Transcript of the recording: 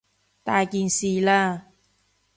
大件事喇！